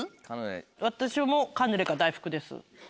私もカヌレか大福です。